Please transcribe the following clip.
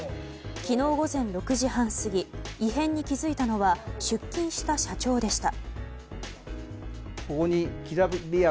昨日午前６時半過ぎ異変に気付いたのは出勤した社長でした。